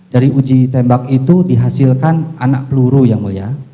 dari uji tembak itu dihasilkan anak peluru yang mulia